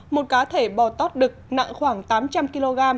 một cá thể bò tót đực nặng khoảng tám trăm linh kg